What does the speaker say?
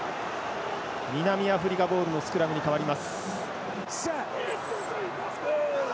南アフリカボールのスクラムに変わります。